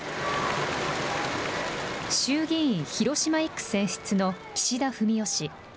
衆議院広島１区選出の岸田文雄氏。